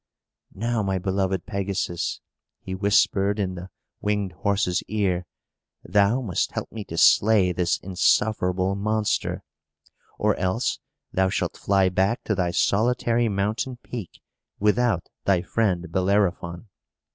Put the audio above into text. "Now, my beloved Pegasus," he whispered in the winged horse's ear, "thou must help me to slay this insufferable monster; or else thou shalt fly back to thy solitary mountain peak without thy friend Bellerophon.